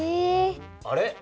あれ？